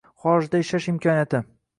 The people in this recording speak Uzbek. Xorijda ishlash imkoniyati